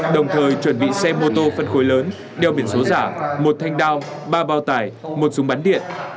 đồng thời chuẩn bị xe mô tô phân khối lớn đeo biển số giả một thanh đao ba bao tải một súng bắn điện